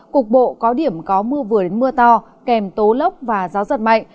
cục bộ có điểm có mưa vừa đến mưa to kèm tố lốc và gió giật mạnh